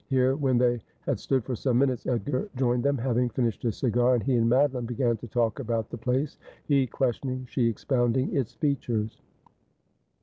Here, when they had stood for some minutes, Edgar joined them, having finished his cigar, and he and Madoline began to talk about the place ; he questioning, she expounding its features.